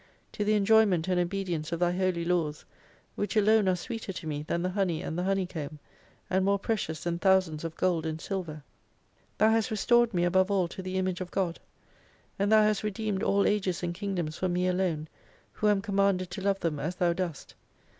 To the enjoyment and obedience of Thy Holy Laws : which alone are sweeter to me than the honey and the honey comb, and more precious than thousands of gold and silver. Thou hast restored me above all to the Image of God. And Thou hast redeemed all Ages and Kingdoms for me alone, who am commanded to love them as Thou dost.